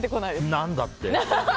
何だって？